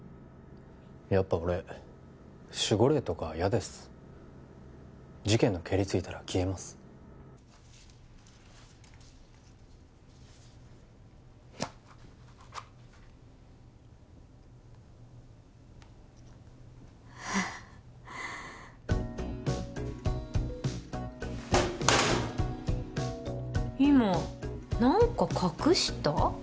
やっぱ俺守護霊とかイヤです事件のケリついたら消えますふ今何か隠した？